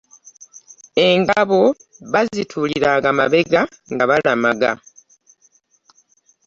Engabo bazituliranga mabega nga balamaga .